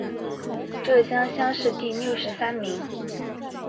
浙江乡试第六十三名。